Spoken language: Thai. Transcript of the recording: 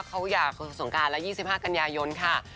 เขาอยากสงการละ๒๕กันยายนค่ะ